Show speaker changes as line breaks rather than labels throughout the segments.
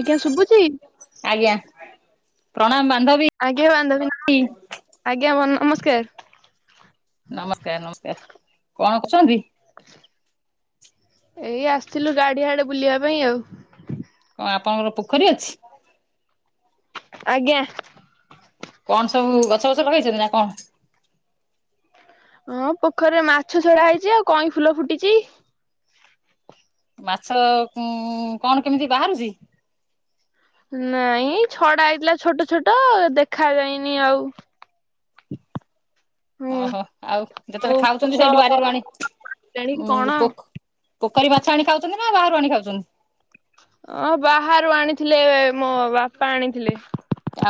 ଆଜ୍ଞା ଶୁବୁଚି?
ଆଜ୍ଞା ପ୍ରଣାମ ବାନ୍ଧବୀ।
ଆଜ୍ଞା ବାନ୍ଧବୀ ଆଜ୍ଞା ବ ନମସ୍କାର।
ନମସ୍କାର ନମସ୍କାର କଣ କରୁଚନ୍ତି?
ଏଇ ଆସିଥିଲୁ ଗାଡିଆଡେ ବୁଲିବା ପାଇଁ ଆଉ।
କଣ ଆପଣଙ୍କର ପୋଖରୀ ଅଛି?
ଆଜ୍ଞା।
କଣ ସବୁ ଗଛ ଫଛ ଲେଇଚନ୍ତି ନା କଣ?
ହଁ ପୋଖରୀ ରେ ମାଛ ଛଡା ହେଇଚି ଆଉ କଇଁ ଫୁଲ ଫୁଟିଚି।
ମାଛ କୁଁ କଣ କେମିତି ବାହାରୁଚି?
ନାଇଁ ଛଡା ହେଇଥିଲା ଛୋଟ ଛୋଟ ଦେଖା ଯାଇନି ଆଉ। ହୁଁ।
ଓହୋ ଆଉ ଯେତେବେଳେ ଖାଉଚନ୍ତି ସେଇଠୁ ବାରିରୁ ଆଣି
ଆଣିକି କଣ?
ଉ ପୋଖ ପୋଖରୀ ମାଛ ଆଣି ଖାଉଚନ୍ତି ନା ବାହାରୁ ଆଣି ଖାଉଚନ୍ତି?
ହଁ ବାହାରୁ ଆଣିଥିଲେ ମୋ ବାପା ଆଣିଥିଲେ।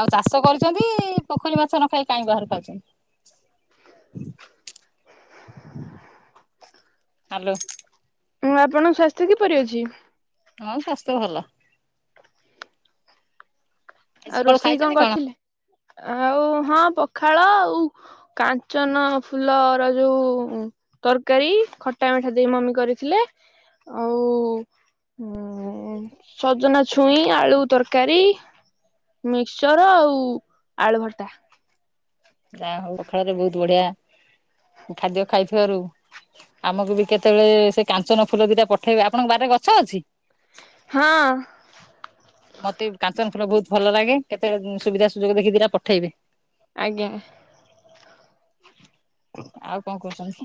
ଆଉ ଚାଷ କରିଚନ୍ତି ପୋଖରୀ ମାଛ ନ ଖାଇ କାଇଁ ବାହାରୁ ଖାଉଚନ୍ତି। ହ୍ୟାଲୋ।
ମୁଁ ଆପଣଙ୍କ ସ୍ୱାସ୍ଥ୍ୟ କିପରି ଅଛି?
ହଁ ସ୍ୱାସ୍ଥ୍ୟ ଭଲ। ଆଜି
ଆଉ
ସକାଳୁ
ରୋଷେଇ
ଖାଇଛନ୍ତି
କଣ କରିଥିଲେ ଆଉ ହଁ ପଖାଳ ଆଉ କାଞ୍ଚନ ଫୁଲ ର ଯୋଉ ତରକାରୀ ଖଟା ମିଠା ଦେଇ ମମି କରିଥିଲେ ଆଉ ହୁଁ ସଜନା ଛୁଇଁ ଆଳୁ ତରକାରୀ। ମିକ୍ସଚର ଆଉ ଆଳୁ ଭର୍ତା।
ଯାହା ହଉ ପଖାଳରେ ବହୁତ ବଢିଆ ଖାଦ୍ୟ ଖାଇଥିବାରୁ ଆମକୁ ବି କେତେବେଳେ ସେ କାଞ୍ଚନ ଫୁଲ ଦିଇଟା ପଠେଇବେ ଆପଣଙ୍କ ବାରିରେ ଗଛ ଅଛି?
ହଁ।
ମତେ ବି କାଞ୍ଚନ ଫୁଲ ବହୁତ ଭଲ ଲାଗେ କେତେଳେ ସୁବିଧା ସୁଯୋଗ ଦେଖି ଦିଟା ପଠେଇବେ।
ଆଜ୍ଞା।
ଆଉ କଣ କରୁଚନ୍ତି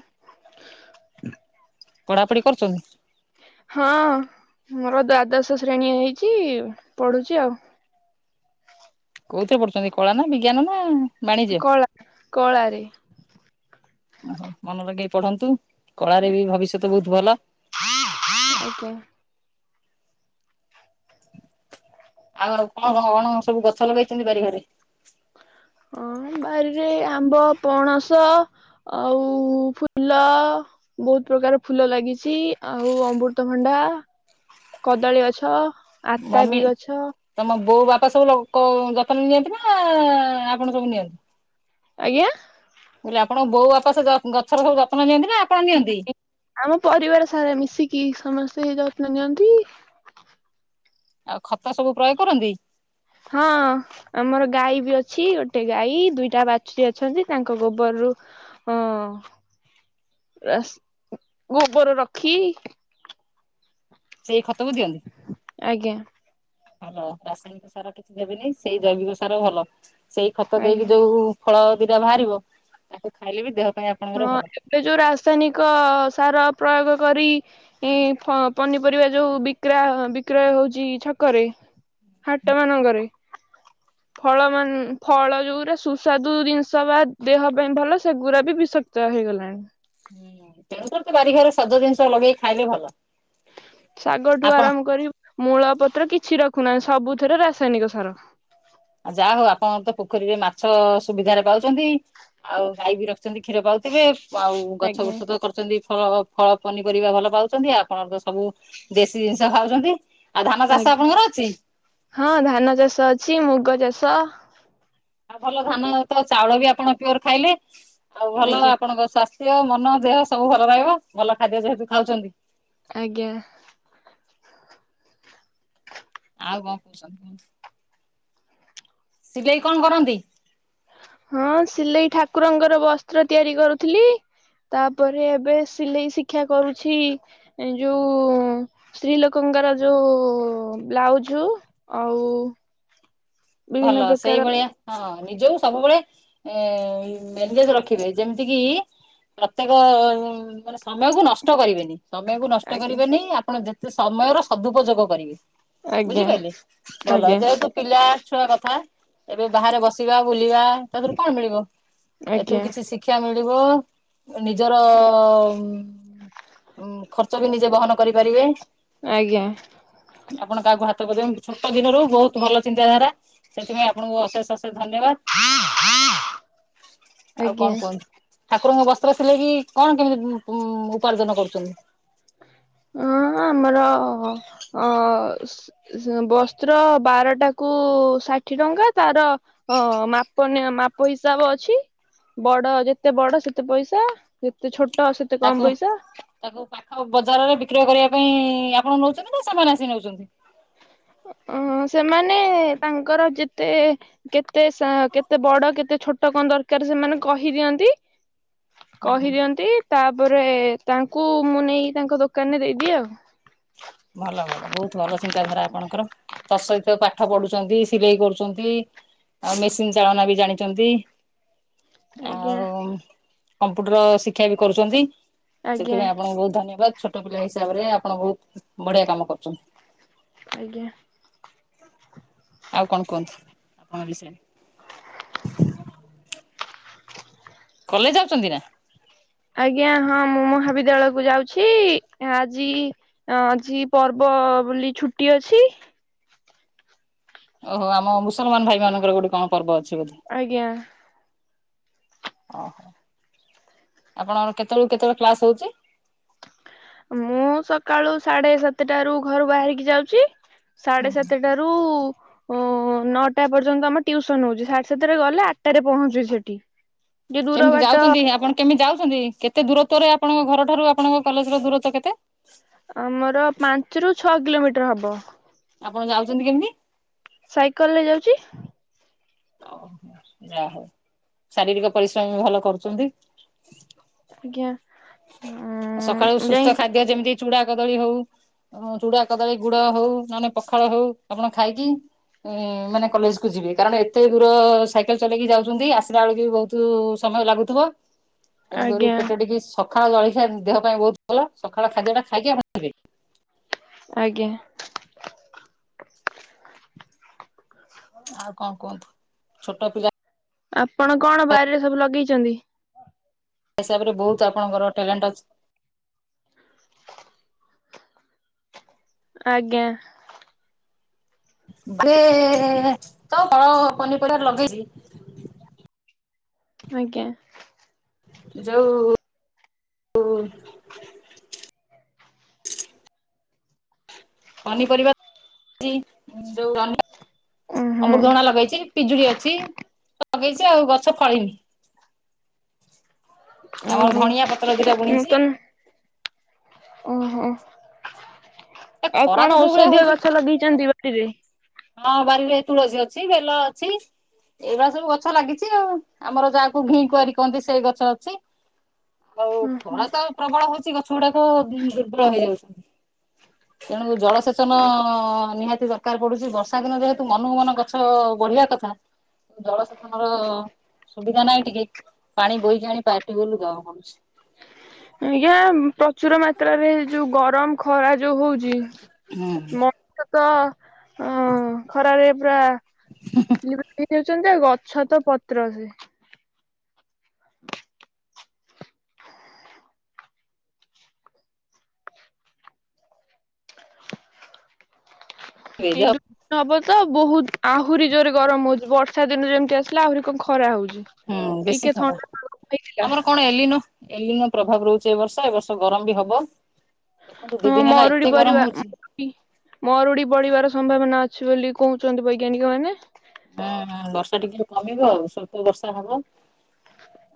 ପଢାପଢି କରୁଚନ୍ତି?
ହଁ ମୋର ଦ୍ଵାଦଶ ଶ୍ରେଣୀ ହେଇଚି ପଢୁଚି ଆଉ।
କୋଉଥିରେ ପଢୁଛନ୍ତି କଳା ନା ବିଜ୍ଞାନ ନା? ବାଣିଜ୍ୟ?
କଳା କଳାରେ।
ଓହୋ ମନ ଲଗେଇ ପଢନ୍ତୁ କଳାରେ ବି ଭବିଷ୍ୟତ ବହୁତ ଭଲ।
ଆଜ୍ଞା।
ଆଉ କଣ କଣ କଣ ସବୁ ଗଛ ଲଗେଇଚନ୍ତି ବାରିଘରେ?
ହଁ ବାରିରେ ଆମ୍ବ, ପଣସ ଆଉ ଫୁଲ। ବହୁତ ପ୍ରକାର ଫୁଲ ଲାଗିଚି ଆଉ ଅମୃତଭଣ୍ଡା କଦଳୀ ଗଛ
ମମି
ଆତାପି ଗଛ।
ତମ ବୋଉ ବାପା ସବୁ କୋ ଯତ୍ନ ନିଅନ୍ତି ନା ଆପଣ ସବୁ ନିଅନ୍ତି?
ଆଜ୍ଞା।
ମୁଁ କହିଲି ଆପଣଙ୍କ ବୋଉ ବାପା ସେ ଗଛର ସବୁ ଯତ୍ନ ନିଅନ୍ତି ନା ଆପଣ ନିଅନ୍ତି?
ନାଇଁ ଆମ ପରିବାର ସାରା ମିଶିକି ସମସ୍ତେ ଯତ୍ନ ନିଅନ୍ତି।
ଆଉ ଖତ ସବୁ ପ୍ରୟୋଗ କରନ୍ତି?
ହଁ। ଆମର ଗାଈ ବି ଅଛି ଗୋଟେ ଗାଈ ଦୁଇଟା ବାଛୁରୀ ଅଛନ୍ତି ତାଙ୍କ ଗୋବରରୁ ଅ ରସ ଗୋବର ରଖି
ସେଇ ଖତକୁ ଦିଅନ୍ତି।
ଆଜ୍ଞା।
ଭଲ ରାସାୟନିକ ସାର କିଛି ଦେବେନି ସେଇ ଜୈବିକ ସାର ଭଲ। ସେଇ ଖତ
ଆଜ୍ଞା।
ଦେଇକି ଯୋଉ ଫଳ ଦିଟା ବାହାରିବ ତାକୁ ଖାଇଲେ ବି ଦେହ ପାଇଁ ଆପଣଙ୍କର
ହଁ
ଭଲ।
ଏବେ ଯୋଉ ରାସାୟନିକ ସାର ପ୍ରୟୋଗ କରି ଇ ଫ ପନିପରିବା ଯୋଉ ବିକ୍ରା ବିକ୍ରୟ ହଉଚି ଛକରେ ହାଟ ମାନଙ୍କରେ
ହ
ଫଳ ମା ଫଳ ଯେଉଗୁରା ସୁସ୍ୱାଦୁ ଜିନିଷ ବା ଦେହ ପାଇଁ ଭଲ ସେଗୁଡ଼ା ବି ବିଷ ତ ହେଇଗଲାଣି
ହୁଁ। ତେଣୁକରି ତ ବାରି ଘରେ ସଜ ଜିନିଷ ଲଗେଇ ଖାଇଲେ ଭଲ।
ଶାଗଠୁ
ଆପଣ
ଆରମ୍ଭ କରି ମୂଳ ପତ୍ର କିଛି ରଖୁନାହିଁ ସବୁଥିରେ ରାସାୟନିକ ସାର।
ଆଉ ଯାଆ ହଉ ଆପଣ ତ ପୋଖରୀରେ ମାଛ ସୁବିଧାରେ ପାଉଛନ୍ତି। ଆଉ ଗାଈ ବି ରଖିଛନ୍ତି କ୍ଷୀର ପାଉଥିବେ ଆଉ ଗଛ
ଆଜ୍ଞା
ବୁର୍ଚ୍ଛ ତ କରୁଚନ୍ତି ଫଳ ଫଳ ପନିପରିବା ଭଲ ପାଉଛନ୍ତି ଆପଣଙ୍କ ସବୁ ଦେଶୀ ଜିନିଷ ଖାଉଚନ୍ତି। ଆ ଧାନ ଚାଷ
ଆଜ୍ଞା
ଆପଣଙ୍କର ଅଛି?
ହଁ ଧାନ ଚାଷ ଅଛି, ମୁଗ ଚାଷ
ଆଉ ଭଲ ଧାନ ତ ଚାଉଳ ବି ଆପଣ ପିଓର ଖାଇଲେ ଆଉ ଭଲ
ଆଜ୍ଞା
ଆପଣଙ୍କ ସ୍ୱାସ୍ଥ୍ୟ ମନ ଦେହ ସବୁ ଭଲ ରହିବ ଭଲ ଖାଦ୍ୟ ଯେହେତୁ ଖାଉଚନ୍ତି।
ଆଜ୍ଞା।
ଆଉ କଣ କଚନ୍ତି, ସିଲେଇ କଣ କରନ୍ତି?
ହଁ ସିଲେଇ ଠାକୁରଙ୍କର ବସ୍ତ୍ର ତିଆରି କରୁଥିଲି। ତାପରେ ଏବେ ସିଲେଇ ଶିକ୍ଷା କରୁଛି ଏଁ ଯୋଉ ସ୍ତ୍ରୀ ଲୋକଙ୍କର ଯୋଉ ବ୍ଲାଉଜୁ ଆଉ ବିଭିନ୍ନ
ଭଲ
ପ୍ରକାର
ସେଇଭଳିଆ ହଁ ନିଜକୁ ସବୁବେଳେ ଏ ଏନଗେଜ ରଖିବେ ଯେମିତି କିି ପ୍ରତ୍ୟେକ ମାନେ ସମୟ କୁ ନଷ୍ଟ କରିବେନି। ସମୟକୁ ନଷ୍ଟ
ଆଜ୍ଞା
କରିବେନି ଆପଣ ଯେତେ ସମୟର ସଦୁପଯୋଗ କରିବେ।
ଆଜ୍ଞା
ବୁଝିପାରିଲେ? ଭଲ
ଆଜ୍ଞା
ଯେହେତୁ ପିଲା ଛୁଆ କଥା ଏବେ ବାହାରେ ବସ ସିବା ବୁଲିବା ତାଧିରୁ କଣ ମିଳିବ? ଏଥିରୁ
ଆଜ୍ଞା
କିଛି ଶିଖ କ୍ଷା ମିଳିବ ନିଜର ଉଁ ଖର୍ଚ୍ଚ ବି ନିଜେ ବହନ କରିପାରିବେ।
ଆଜ୍ଞା।
ଆପଣ କାହାକୁ ହାତ [unintelligible] ଛୋଟ ଦିନରୁ ବହୁତ ଭଲ ଚିନ୍ତାଧାରା। ସେଥିପାଇଁ ଆପଣଙ୍କୁ ଅଶେଷ ଅଶେଷ ଧନ୍ୟବାଦ। ଆଉ
ଆଜ୍ଞା
କଣ କୁହନ୍ତୁ? ଠାକୁରଙ୍କ ବସ୍ତ୍ର ସିଲେଇକି କଣ କେମିତି ଉ ମ୍ ଉପାର୍ଜନ କରୁଚନ୍ତି? ହ
ହଁ ଆମର ଅ ସ ବସ୍ତ୍ର ବାରଟା କୁ ଷାଠିଏ ଟଙ୍କା। ତାର ହଁ ମାପ ନି ମାପ ହିସାବ ଅଛି ବଡ ଯେତେ ବଡ ସେତେ ପଇସା। ଯେତେ ଛୋଟ ସେତେ
ତାକୁ
କମ ପଇସା।
ତାକୁ ପାଖ ବଜାରରେ ବିକ୍ରୟ କରିବା ପାଇଁ ଆପଣ ନୋଉଚନ୍ତି ନା ସେମାନେ ଆସି ନୋଉଚନ୍ତି?
ଉ ସେମାନେ ତାଙ୍କର ଯେତେ କେତେ ସ କେତେ ବଡ କେତେ ଛୋଟ କଣ ଦରକାର ସେମାନେ କହିଦିଅନ୍ତି।
ହୁଁ ହୁଁ
କହିଦିଅନ୍ତି ତାପରେ ତାଙ୍କୁ ମୁଁ ନେଇକି ତାଙ୍କ ଦୋକାନରେ ଦେଇଦିଏ ଆଉ
ଭଲ ଭଲ ବୋହୁତ ଭଲ ଚିନ୍ତାଧାରା ଆପଣଙ୍କର। ତ ସହିତ ପାଠ ପଢୁଛନ୍ତି ସିଲେଇ କରୁଛନ୍ତି ଆଉ ମେସିନ୍ ଚାଳନା ବି ଜାଣିଛନ୍ତି
ଆଜ୍ଞା
ଆଉ କମ୍ପ୍ୟୁଟର ଶିକ୍ଷା ବି କରୁଛନ୍ତି।
ଆଜ୍ଞା
ସେଥିପାଇଁ ଆପଣଙ୍କୁ ବହୁତ ଧନ୍ୟବାଦ ଛୋଟ ପିଲା ହିସାବରେ ଆପଣ ବହୁତ ବଢିଆ କାମ କରୁଛନ୍ତି।
ଆଜ୍ଞା।
ଆଉ କଣ କୁହନ୍ତୁ ଆପଣଙ୍କ ବିଷୟରେ କଲେଜ ଯାଉଛନ୍ତି ନା
ଆଜ୍ଞା ହଁ ମୁଁ ମହାବିଦ୍ୟାଳୟ କୁ ଯାଉଛି ଆଜି ଅ ଆଜି ପର୍ବ ବୋଲି ଛୁଟି ଅଛି।
ଓହୋ ଆମ ମୁସଲମାନ ଭାଇ ମାନଙ୍କର ଗୋଟେ କଣ ପର୍ବ ଅଛି ବୋଧେ
ଆଜ୍ଞା
ଓହୋ ଆପଣଙ୍କ କେତେବେଳକୁ କେତେବେଳେ କ୍ଲାସ ହଉଛି
ମୁଁ ସକାଳୁ ସାଢେ ସାତଟାାରୁୁ ଘରୁ ବାହାରିକି ଯାଉଛି ସାଢେ ସାତଟା ଘରୁ ଓ ନଅଟା ପର୍ଯ୍ୟନ୍ତ ଆମ ଟ୍ୟୁସନ ହଉଛି ସାଢେ ସାତରେ ଗଲେ ଆଠଟାରେ ପହଞ୍ଚିବି ସେଠି ଟିକେ ଦୂର
କେମିତି
ବାଟ
ଯାଉଛନ୍ତି ଆପଣ କେମିତି ଯାଉଛନ୍ତି କେତେ ଦୂରତଵ ରେ ଆପଣଙ୍କ ଘର ଠାରୁ ଆପଣଙ୍କ କଲେଜ ର ଦୂରତଵ କେତେ
ଆମର ପାଞ୍ଚରୁ ଛଅ କିଲୋମିଟର ହବ
ଆପଣ ଯାଉଛନ୍ତି କେମିତି
ସାଇକେଲ ରେ ଯାଉଛି
ଓହୋ ଯାହା ହଉ ଶାରୀରିକ ପରିଶ୍ରମ ବି ଭଲ କରୁଛନ୍ତି
ଆଜ୍ଞା ହୁଁ
ସକାଳୁ ସୁସ୍ଥ ଖାଦ୍ୟ ଯେମିତି ଚୁଡା କଦଳୀ ହଉ ହ ଚୁଡା କଦଳୀ ଗୁଡ ହଉ ନହେଲେ ପଖାଳ ହଉ ଆପଣ ଖାଇକି ମାନେ କଲେଜ କୁ ଯିବେ କାରଣ ଏତେ ଦୂର ସାଇକେଲ ଚଲେଇକି ଯାଉଛନ୍ତି ଆସିଲା ବେଳକୁ ବି ବହୁତ ତୁ ସମୟ ଲାଗୁଥିବ ତେଣୁକରି
ଆଜ୍ଞା
ପେଟ ଟିକେ ସକାଳ ଜଳଖିଆ ଦେହ ପାଇଁ ବହୁତ ଭଲ ସକାଳ ଖାଦ୍ୟ ଟା ଖାଇକି ଯିବେ
ଆଜ୍ଞା ହ
ଆଉ କଣ କୁହନ୍ତୁ ଛୋଟ ପିଲା
ଆପଣ କଣ ବାରିରେ ସବୁ ଲଗେଇଛନ୍ତି
ହିସାବରେ ବହୁତ ଆପଣଙ୍କର ଟ୍ୟାଲେଣ୍ଟ ଅଛି
ଆଜ୍ଞା
ରେ ତ କଳ ପନିପରିବାରେ ଲଗେଇଛି
ଆଜ୍ଞା
ଯଉ ହ ପନିପରିବା ଯୋଉ ର
ଓହୋ
ଅମୃଧଣା ଲଗେଇଛି ପିଜୁଡି ଅଛି ଲଗେଇଛି ଆଉ ଗଛ ଫଳିନି ଆମର
ଓହୋ
ଧଣିଆ ପତ୍ର ଦିଟା ବୁଣିଛି
ନୂତନ ଓହୋ
ଏ
ଆଉ
ଖରା ତ
କଣ
ଯୋଉ ଭଳିଆ
ଔଷଧୀୟ
ହଉଛି
ଗଛ ଲଗେଇଛନ୍ତି ବା ି
ହଁ ବାରିରେ ତୁଳସୀ ଅଛି ବେଲ ଅଛି ଏଇଭଳିଆ ସବୁ ଗଛ ଲାଗିଛି ଆଉ ଆମର ଯାହାକୁ ଘି କୁର କହନ୍ତି ସେଇ ଗଛ ଅଛି ଆଉ ଖରା ତ ପ୍ରବଳ ହଉଛି ଗଛ ଗୁଡାକ ଦୁର୍ବଳ ହେଇଯାଉଛନ୍ତି ତେଣୁ ଜଳସେଚନ ନିହାତି ଦରକାର ପଡୁଛି ବର୍ଷ ବର୍ଷା ଦିନ ଯେହେତୁ ମନ ମନ ଗଛ ବଢିବା କଥା ଜଳସେଚନ ର ସୁବିଧା ନାହିଁ ଟିକେ ପାଣି ବୋହିକି ଆଣି ପାଟି ବଲ ଦ ପୁଛି
ଆଜ୍ଞା ପ୍ରଚୁର ମାତ୍ରାରେ ଯୋଉ ଗରମ ଖରା ଯୋଉ ହଉଛି
ହୁଁ
ମଣିଷ ତ ଅ ଖରାରେ ପୁରା ହେଉଛନ୍ତି ଆ ଗଛ ତ ପତ୍ର ସେ [inaudible] ଏଇ ଡୁ ହବ ତ ବହୁତ ଆହୁରି ଜୋରରେ ଗରମ ହଉଛି ବର୍ଷା ଦିନରେ ଯେମତି ଆସିଲା ଆହୁରି କଣ ଖରା ହଉଛି।
ହୁଁ ବେଶୀ
ଟିକେ
ଖରା
ଥଣ୍ଡା ପାଗ ହେଇଥିଲା
ଆମର କଣ ଏ ନ ଏଲିନ ପ୍ରଭାବ ରହୁଛି ଏ ବର୍ଷ ଏ ବର୍ଷ ଗରମ ବି ହବ। ଦେଖନ୍ତୁ ଦି
ହଁ
ଦିନ ହେଲା
ମରୁଡି
ଏତେ
ପରିବା
ଗରମ ହଉଛି।
ମରୁଡି ମରୁଡି ପଡିବାର ସମ୍ଭାବନା ଅଛି ବୋଲି କହୁଛନ୍ତି ବୈଜ୍ଞାନିକ ମାନେ।
ହୁଁ ହୁଁ ବର୍ଷା ଟିକେ କମିବ ସ୍ୱଳ୍ପ ବର୍ଷା ହବ।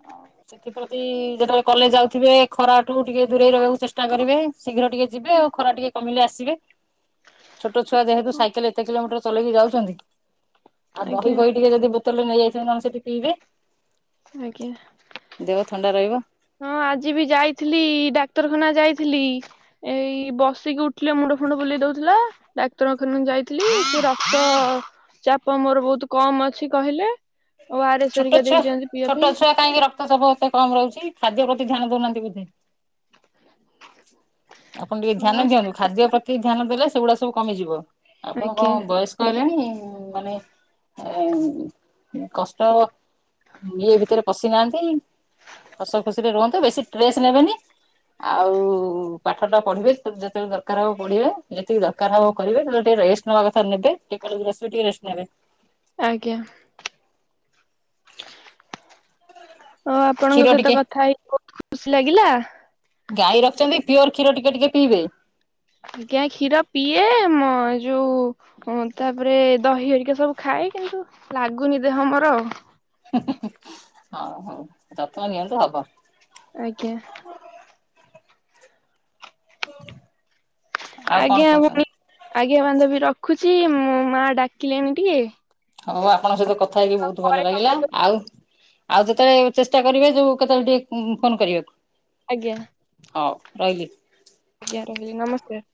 ଆଉ ସେଥିପ୍ରତି ଯେତେବେଳେ କଲେଜ ଯାଉଥିବେ ଖରାଠୁ ଟିକେ ଦୂରେଇ ରହିବାକୁ ଚେଷ୍ଟା କରିବେ। ଶୀଘ୍ର ଟିକେ ଯିବେ ଆଉ ଖରା ଟିକେ କମିଲେ ଆସିବେ ଛୋଟ ଛୁଆ ଯେହେତୁ ସାଇକେଲ ଏତେ କିଲୋମିଟର ଚଲେଇକି ଯାଉଛନ୍ତି ଆଉ ଦହି
ଆଜ୍ଞା।
ଫହି ଟିକେ ଯଦି ବୋତଲରେ ନେଇ ଯାଉନାନ୍ତି ତାହେଲେ ସେଠି ପିଇବେ।
ଆଜ୍ଞା।
ଦେହ ଥଣ୍ଡା ରହିବ
ହଁ ଆଜି ବି ଯାଇଥିଲି ଡାକ୍ତରଖାନା ଯାଇଥିଲି। ଏଇ ବସିକି ଉଠିଲେ ମୁଣ୍ଡ ଫୁଣ୍ଡ ବୁଲେଇ ଦଉଥିଲା। ଡାକ୍ତରଖାନା ଯାଇଥିଲି ସେ ରକ୍ତ ଚାପ ମୋର ବହୁତ କମ ଅଛି କହିଲେ ଓ ଆରେ ଏସେ
ଛୋଟ
ହେରୀକା
ଛୁଆ
ଦେଇଛନ୍ତି ପିଇବା
ଛୋଟ
ପାଇଁ।
ଛୁଆ କାହିଁକି ରକ୍ତଚାପ ଏତେ କମ ରହୁଛି ଖାଦ୍ୟ ପ୍ରତି ଧ୍ୟାନ ଦଉନାହାନ୍ତି ବୋଧେ। ଆପଣ ଟିକେ
ହଁ
ଧ୍ୟାନ ଦିଅନ୍ତୁ ଖାଦ୍ୟ ପ୍ରତି ଧ୍ୟାନ ଦେଲେ ସେଗୁଡା ସବୁ କମିଯିବ। ଆପଣ କଣ
ଆଜ୍ଞା
ବୟସ୍କ ହେଲେଣି ଏ ମାନେ କଷ୍ ଟ ଇଏ ଭିତରେ ପଶିନାହାନ୍ତି। ହସ ଖୁସିରେ ରୁହନ୍ତୁ ବେଶୀ ଟ୍ରେସ ନେବେନି। ଆଉ ପାଠ ଟା ପଢିବେ ଯେତେବେଳେ ଦରକାର ହବ ପଢିବେ ଯେତିକି ଦରକାର ହବ କରିବେ ତାହେଲେ ଟିକେ ରେଷ୍ଟ ନବା କଥା ନେବେ ଟିକେ କଲେଜ ରୁ ଆସିଲେ ଟିକେ ରେଷ୍ଟ ନେବେ।
ଆଜ୍ଞା। ଓ
କ୍ଷୀର
ଆପଣଙ୍କ
ଟିକେ
ସହିତ କଥା ହେଇି ବହୁତ ଖୁସି ଲାଗିଲା।
ଗାଈ ରଖଛନ୍ତି ପିଓର କ୍ଷୀର ଟିକେ ଟିକେ ପିଇବେ।
ଆଜ୍ଞା କ୍ଷୀର ପିଏ ମ ଯୋଉ ହଁ ତାପରେ ଦହି ହରିକା ସବୁ ଖାଏ କିନ୍ତୁ ଲାଗୁନି ଦେହ ଆମର।
ହଉ ହଉ ଯତ୍ନ ନିଅନ୍ତୁ ହବ।
ଆଜ୍ଞା।
ଆଉ କଣ
ଆଜ୍ଞା
କହୁଛନ୍ତି?
ଭଉଣୀ। ଆଜ୍ଞା ବାନ୍ଧବି ରଖୁଛି ମୋ ମା ଡାକିଲେଣି ଟିକେ।
ହଉ ଆପଣଙ୍କ ସହିତ କଥା ହେଇକି ବହୁତ
ପରେ
ଭଲ ଲାଗିଲା
ସମ୍ପର୍କ
ଆଉ ଆଉ ଯେତେବେଳେ ଚେଷ୍ଟା କରିବେ ଯୋଉ କେତେବେଳେ ଟିକେ ଫୋନ କରିବାକୁ।
ଆଜ୍ଞା।
ହଉ ରହିଲି।
ଆଜ୍ଞା ରହିଲି ନମସ୍କାର।